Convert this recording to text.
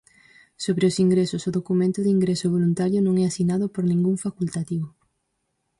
Sobre os ingresos: o documento de ingreso voluntario non é asinado por ningún facultativo.